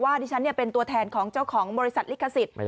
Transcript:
ดิฉันเป็นตัวแทนของเจ้าของบริษัทลิขสิทธิ์